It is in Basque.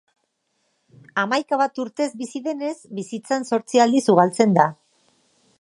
Hamaika bat urtez bizi denez, bizitzan zortzi aldiz ugaltzen da.